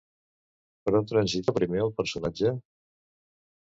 Per on transita primer el personatge?